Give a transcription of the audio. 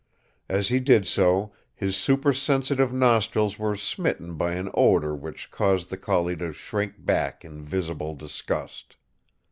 As he did so his supersensitive nostrils were smitten by an odor which caused the collie to shrink back in visible disgust.